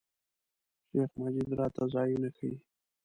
شیخ مجید راته ځایونه ښیي.